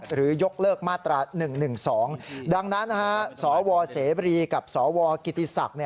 หรือยกเลิกมาตรา๑๑๒ดังนั้นฮะสวรรค์เซบรีกับสวรรค์กิติศักดิ์